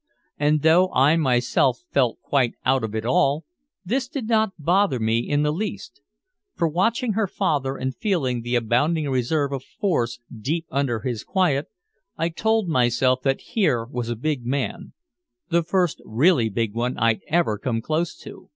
And though I myself felt quite out of it all, this did not bother me in the least. For watching her father and feeling the abounding reserve of force deep under his quiet, I told myself that here was a big man, the first really big one I'd ever come close to.